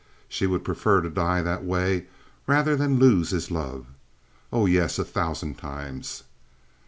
She would prefer to die that way rather than lose his love. Oh yes, a thousand times!